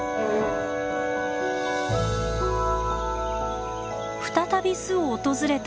再び巣を訪れたメス。